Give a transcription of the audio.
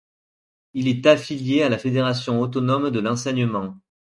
Il est affilié à la Fédération autonome de l'enseignement.